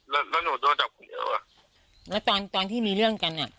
แล้วแล้วหนูโดนจับคนเดียวอ่ะแล้วตอนตอนที่มีเรื่องกันอ่ะ